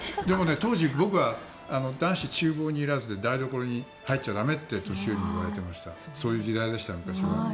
当時、僕は男子厨房に入らずって台所に入っちゃだめって年寄りに言われてましたそういう時代でした、昔は。